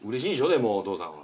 でもお父さんは。